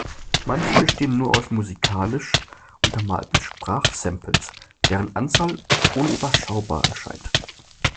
Manche bestehen nur aus musikalisch untermalten Sprachsamples, deren Anzahl unüberschaubar erscheint.